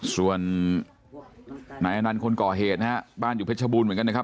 ส่วนนายอนันต์คนก่อเหตุนะฮะบ้านอยู่เพชรบูรณ์เหมือนกันนะครับ